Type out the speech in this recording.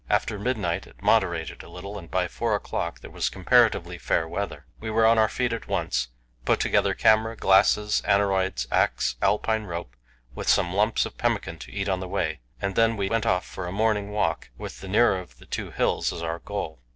After midnight it moderated a little, and by four o'clock there was comparatively fair weather. We were on our feet at once, put together camera, glasses, aneroids, axe, Alpine rope, with some lumps of pemmican to eat on the way, and then went off for a morning walk with the nearer of the two hills as our goal.